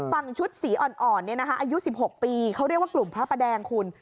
ฝั่งชุดสีอ่อนเนี่ยนะคะอายุสิบหกปีเขาเรียกว่ากลุ่มพระแปรแดงคุณ